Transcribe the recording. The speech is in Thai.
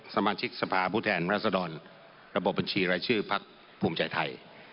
สมาชิกสภาพุทธแห่งราษฎรระบบบัญชีรายชื่อพรรคภูมิใจไทย